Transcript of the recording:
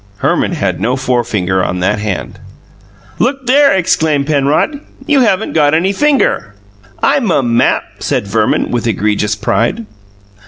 Herman had no forefinger on that hand. "Look there!" exclaimed Penrod. "You haven't got any finger!" "I mum map," said Verman, with egregious pride.